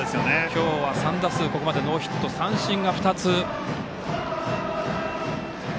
今日はここまでノーヒット、三振が２つ。